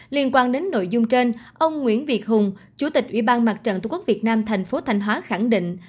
liên quan đến nội dung trên ông nguyễn việt hùng chủ tịch ủy ban mặt trận tqvn tp thanh hóa khẳng định